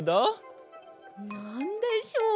なんでしょう？